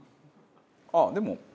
あっでも。